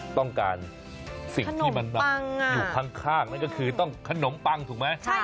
ต้องการสิ่งที่มันอยู่ข้างนั่นก็คือต้องขนมปังถูกไหม